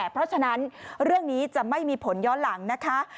เพราะฉะนั้นเรื่องนี้จะไม่มีผลย้อนหลังนะคะ